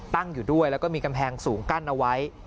ตั้งอยู่ด้วยแล้วก็มีกำแพงสูงกั้นเอาไว้